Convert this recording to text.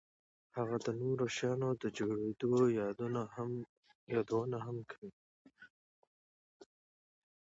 هغه د نورو شیانو د جوړېدو یادونه هم کوي